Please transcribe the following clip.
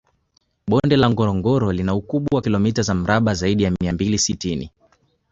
Bonde la Ngorongoro lina ukubwa wa kilomita za mraba zaidi ya mia mbili sitini